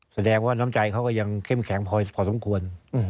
แสดงว่าน้ำใจเขาก็ยังเข้มแข็งพอสมควร